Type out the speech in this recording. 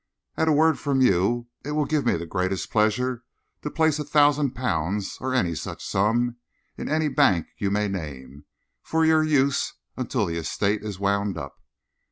At a word from you, it will give me the greatest pleasure to place a thousand pounds, or any such sum, in any bank you may name, for your use until the estate is wound up.